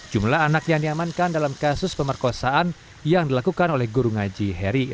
jumlah anak yang diamankan dalam kasus pemerkosaan yang dilakukan oleh guru ngaji heri